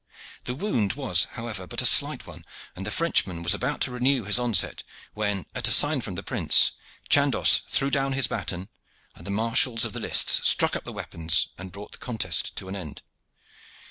The wound was, however, but a slight one, and the Frenchman was about to renew his onset, when, at a sign from the prince, Chandos threw down his baton, and the marshals of the lists struck up the weapons and brought the contest to an end.